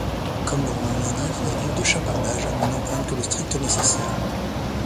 Comme leur nom l’indique, ils vivent de chapardages, mais n'empruntent que le strict nécessaire.